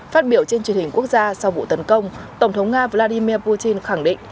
phát biểu trên truyền hình quốc gia sau vụ tấn công tổng thống nga vladimir putin khẳng định